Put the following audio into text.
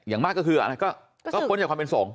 อย่างมากก็คืออะไรก็พ้นจากความเป็นสงฆ